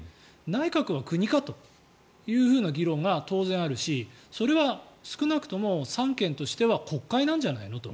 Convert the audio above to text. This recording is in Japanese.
内閣は国かという議論が当然あるしそれは少なくとも三権としては国会なんじゃないのと。